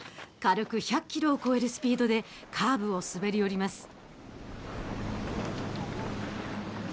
軽く１００ｋｍを超えるスピードでカーブを滑り降ります。